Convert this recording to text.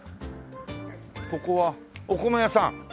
ここはお米屋さん？